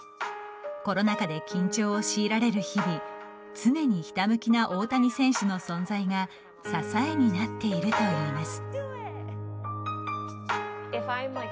コロナ禍で緊張を強いられる日々常にひたむきな大谷選手の存在が支えになっているといいます。